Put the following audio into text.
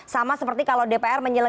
sama seperti kalau dpr menyelenggara